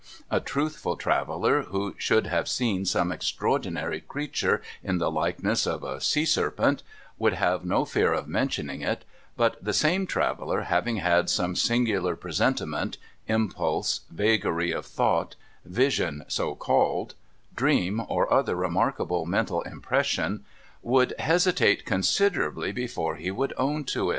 A truthful traveller, who should have seen some extraordinary creature in the likeness of a sea serpent, would have no fear of mentioning it ; but the same traveller, having had some singular presentiment, imjiulse, vagary of thought, vision (so called), dream, or other remarkable mental im pression, would hesitate considerably before he would own to it.